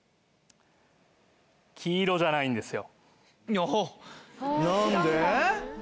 黄色じゃないんですよ。何で？